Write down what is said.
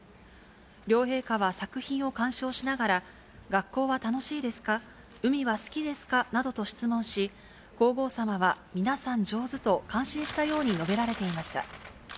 両陛下は作品を鑑賞しながら、学校は楽しいですか、海は好きですかなどと質問し、皇后さまは、皆さん上手と感心したように述べられていました。